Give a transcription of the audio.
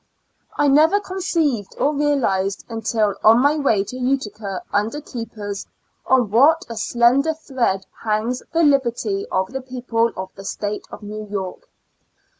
I never conceived or realized, until on my way to Utica under keepers, on what a slen der thread hangs the liberty of the people of the State of New York.